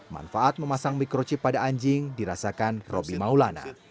manfaat memasang microchip pada anjing dirasakan roby maulana